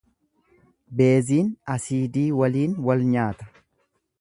Beeziin asiidii waliin walnyaata.